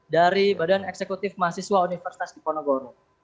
dari badan esekutif mahasiswa universitas dipendegoro